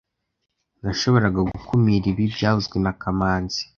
Nashoboraga gukumira ibi byavuzwe na kamanzi